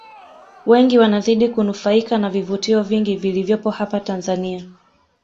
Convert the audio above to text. Wengi wanazidi kunufaika na vivutio vingi vilivyopo hapa Tanzania